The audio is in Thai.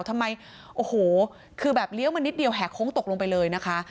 ทำไมโอ้โหคือแบบเลี้ยวมานิดเดียวแห่โค้งตกลงไปเลยนะคะ